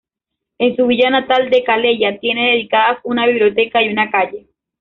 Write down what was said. En su villa natal de Calella tiene dedicadas una biblioteca y una calle.